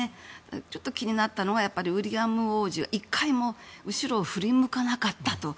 ちょっと気になったのはウィリアム皇子は１回も後ろを振り向かなかったと。